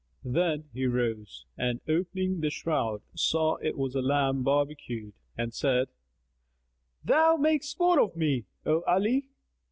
Then he rose and opening the shroud, saw it was a lamb barbecued and said, "Thou makest sport of me, O Ali!"